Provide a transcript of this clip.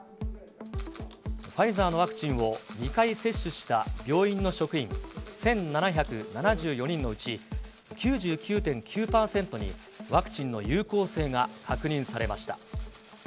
ファイザーのワクチンを、２回接種した病院の職員１７７４人のうち９９．９％に、ワクチンの有効性が確認されました。